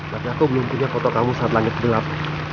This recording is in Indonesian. tapi aku belum punya foto kamu saat langit gelap